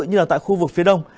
như là tại khu vực phía đông